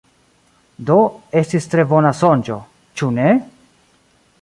Do estis tre bona sonĝo, ĉu ne?